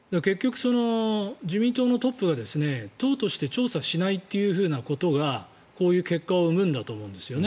結局、自民党のトップが党として調査しないということがこういう結果を生むんだと思うんです。